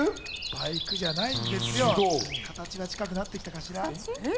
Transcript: バイクじゃないんですが、形は近くなってきました。